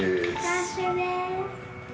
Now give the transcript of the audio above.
完成です。